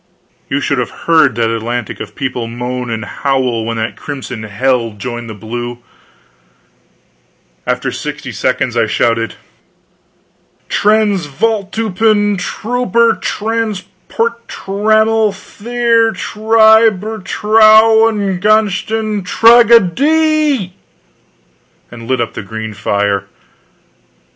You should have heard that Atlantic of people moan and howl when that crimson hell joined the blue! After sixty seconds I shouted: "Transvaaltruppentropentransporttrampelthiertreibertrauungsthraenen tragoedie!" and lit up the green fire!